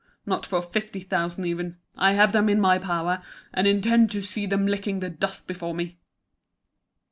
Not for fifty thousand even! I have them in my power, and intend to see them licking the dust before me!"